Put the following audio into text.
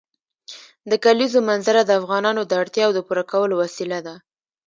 د کلیزو منظره د افغانانو د اړتیاوو د پوره کولو وسیله ده.